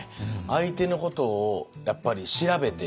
相手のことをやっぱり調べて。